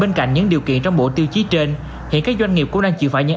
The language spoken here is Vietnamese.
bên cạnh những điều kiện trong bộ tiêu chí trên hiện các doanh nghiệp cũng đang chịu phải những